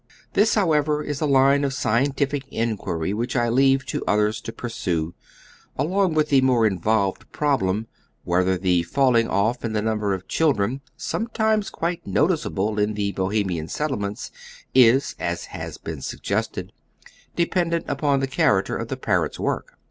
Tliis, however, is a line of scien tific inquiry which I leave to others to pursue, along with oy Google 140 HOW THE OTHEB HALF LIVES. the more involved problem whether the falling off in the number of eliildren, sometimes quite noticeable in tlie Bohemian settlements, is, as has been suggested, depend ent upon tlie cjiaraeter of the parents' work.